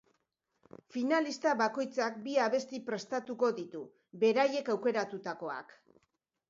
Finalista bakoitzak bi abesti prestatuko ditu, beraiek aukeratutakoak.